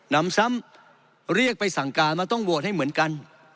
นำซ้ำเรียกไปสั่งการว่าต้องโหวตให้เหมือนกัน